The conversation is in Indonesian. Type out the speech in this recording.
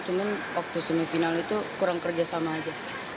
cuman waktu semifinal itu kurang kerjasama aja